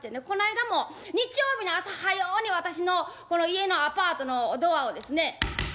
この間も日曜日の朝早うに私の家のアパートのドアをですね。